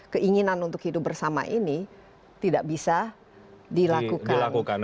keinginan untuk hidup bersama ini tidak bisa dilakukan